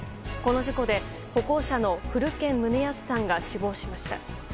この事故で歩行者の古堅宗康さんが死亡しました。